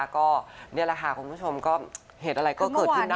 ก็นี่แหละค่ะคุณผู้ชมก็เหตุอะไรก็เกิดขึ้นนะ